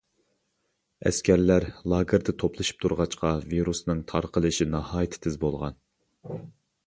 ئەسكەرلەر لاگېردا توپلىشىپ تۇرغاچقا ۋىرۇسنىڭ تارقىلىشى ناھايىتى تېز بولغان.